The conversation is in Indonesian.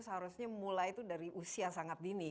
seharusnya mulai dari usia sekolah